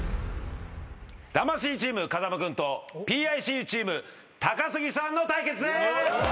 魂チーム風間君とＰＩＣＵチーム高杉さんの対決です！